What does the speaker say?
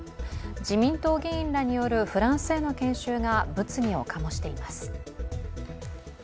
自民党議員らによるフランスへの研修が物議を醸しています。